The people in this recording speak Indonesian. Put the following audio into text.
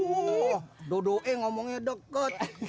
wah dodo eh ngomongnya deket